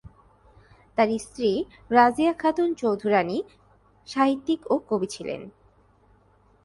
তার স্ত্রী রাজিয়া খাতুন চৌধুরাণী সাহিত্যিক ও কবি ছিলেন।